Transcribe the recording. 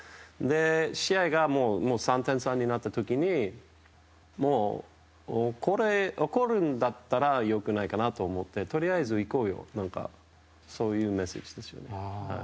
試合が３点差になった時にもう怒るんだったら良くないかなと思ってとりあえず行こうよそういうメッセージですよ。